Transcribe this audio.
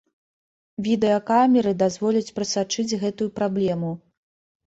Відэакамеры дазволяць прасачыць гэтую праблему.